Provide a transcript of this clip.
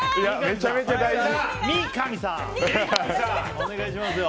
お願いしますよ。